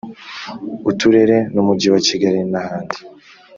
Uturere numujyi wa Kigali nahandi